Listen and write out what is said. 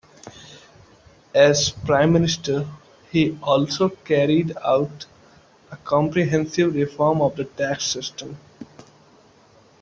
As Prime Minister he also carried out a comprehensive reform of the tax system.